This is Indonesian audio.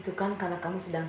jangan lupa jejeng